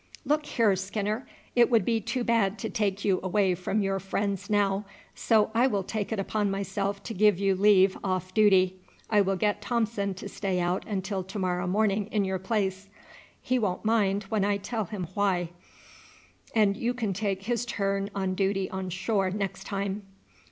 "Look here, Skinner; it would be too bad to take you away from your friends now, so I will take it upon myself to give you leave off duty. I will get Thomson to stay out until to morrow morning in your place. He won't mind when I tell him why, and you can take his turn on duty on shore next time."